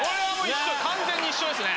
完全に一緒ですね。